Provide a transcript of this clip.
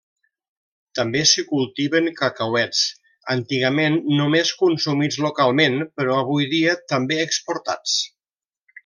També s'hi cultiven cacauets, antigament només consumits localment però avui dia també exportats.